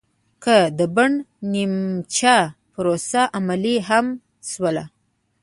که د بن نیمچه پروسه عملي هم شوله